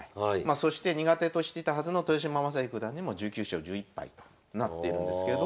そして苦手としてたはずの豊島将之九段にも１９勝１１敗となっているんですけど